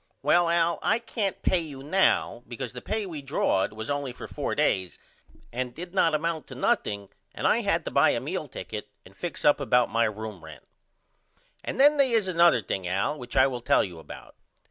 Well Al I can't pay you now because the pay we drawed was only for 4 days and did not amount to nothing and I had to buy a meal ticket and fix up about my room rent. And then they is another thing Al which I will tell you about.